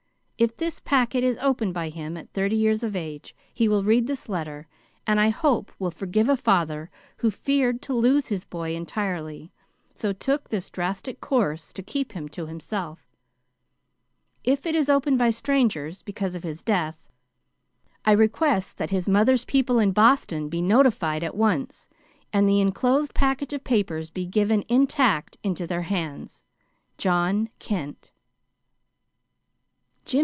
If this packet is opened by him at thirty years of age, he will read this letter, and I hope will forgive a father who feared to lose his boy entirely, so took this drastic course to keep him to himself. If it is opened by strangers, because of his death, I request that his mother's people in Boston be notified at once, and the inclosed package of papers be given, intact, into their hands. "JOHN KENT."